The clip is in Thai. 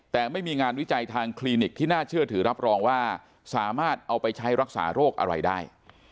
แต่ไม่มีงานวิจัยทางคลินิกที่น่าเชื่อถือรับรองว่าสามารถเอาไปใช้รักษาโรคอะไรได้